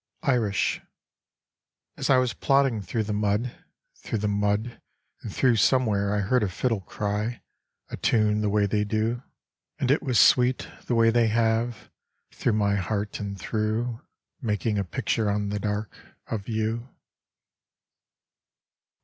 Irish As I was plodding through the mud, Through the mud and through, Somewhere I heard a fiddle cry A tune the way they do ; 40 Irish And it was sweet, the way they have, Through my heart and through, Making a picture on the dark Of you!